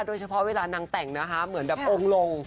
เวลานางแต่งนะคะเหมือนแบบองค์ลง